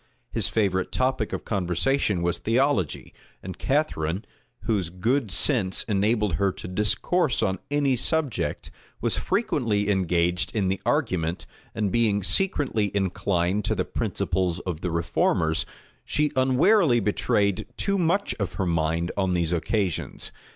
His favorite topic of conversation was theology; and Catharine, whose good sense enabled her to discourse on any subject, was frequently engaged in the argument, and being secretly inclined to the principles of the reformers, she unwarily betrayed too much of her mind on these occasions.